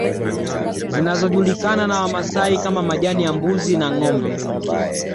Zinazojulikana na Wamasai kama majani ya mbuzi na ngombe